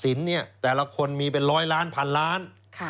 สับสินเนี่ยแต่ละคนมีเป็นร้อยล้านพันล้าน